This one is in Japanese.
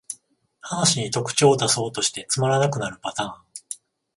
話に特徴だそうとしてつまらなくなるパターン